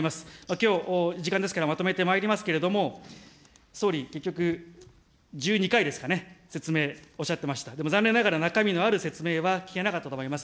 きょう、時間ですから、まとめてまいりますけれども、総理、結局、１２回ですかね、説明おっしゃってました、でも残念ながら、中身のある説明は聞けなかったと思います。